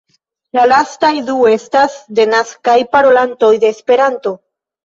La lastaj du estas denaskaj parolantoj de Esperanto.